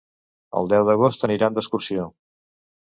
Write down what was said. El deu d'agost aniran d'excursió.